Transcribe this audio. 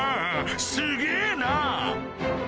すげぇな！